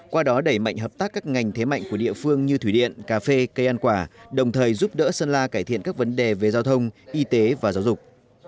qua đó đẩy mạnh hợp tác các ngành thế mạnh của địa phương như thủy điện cà phê cây ăn quả đồng thời giúp đỡ sơn la cải thiện các vấn đề về giao thông y tế và giáo dục